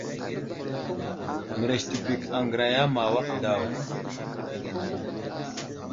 Mərəz təbək aŋgəraya ma awak daw.